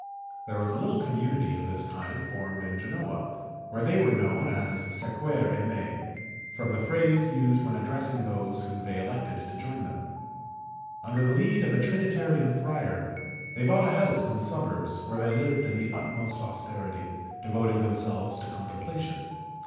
There was a little community of this kind formed in Genoa, where they were known as Seqvere me, from the phrase used when addressing those whom they elected to join them. Under the lead of a Trinitarian friar, they bought a house in the suburbs, where they lived in the utmost austerity, devoting themselves to contemplation.